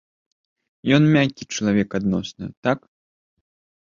Ён мяккі чалавек адносна, так?